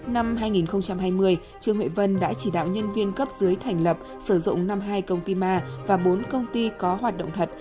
năm hai nghìn hai mươi trương huệ vân đã chỉ đạo nhân viên cấp dưới thành lập sử dụng năm hai công ty ma và bốn công ty có hoạt động thật